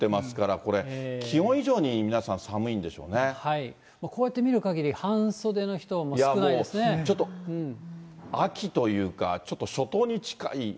これ、気温以上に皆さん、寒いんこうやって見るかぎり、半袖ちょっと秋というか、ちょっと初冬に近い。